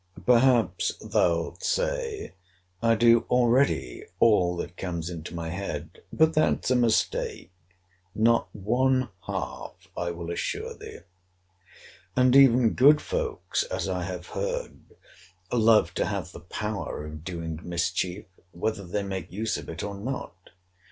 Perhaps thou'lt say, I do already all that comes into my head; but that's a mistake—not one half I will assure thee. And even good folks, as I have heard, love to have the power of doing mischief, whether they make use of it or not.